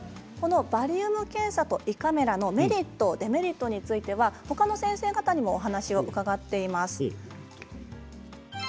バリウム検査と胃カメラ検査のメリットデメリットについてはほかの先生方にもお話を伺っています。